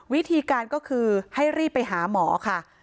วิธีการก็คือให้รีบไปหาหมอค่ะ